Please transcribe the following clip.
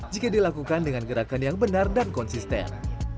jika dilakukan dengan gerakan yang benar dan konsisten